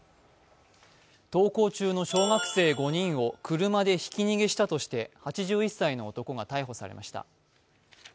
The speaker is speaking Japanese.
登校中の小学生５人を車でひき逃げしたとして８１歳の男が逮捕されました。